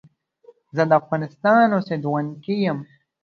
زه دافغانستان اوسیدونکی یم.